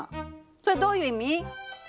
それどういう意味！？